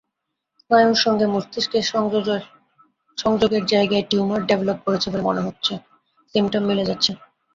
স্নায়ুর সঙ্গে মস্তিকের সংযোগের জায়গায় টিউমার ডেভেলপ করছে বলে মনে হচ্ছে সিমটম মিলে যাচ্ছে।